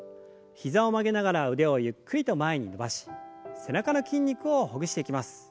膝を曲げながら腕をゆっくりと前に伸ばし背中の筋肉をほぐしていきます。